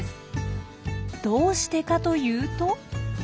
どうしてかというと。